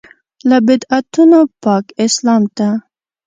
له بدعتونو پاک اسلام ته.